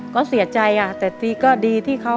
ก็เสียใจอ่ะ